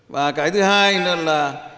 và cái thứ hai là cắt giảm